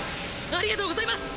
ありがとうございます。